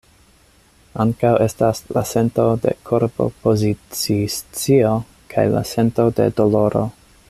Ankaŭ estas la sento de korpopozici-scio kaj la senco de doloro.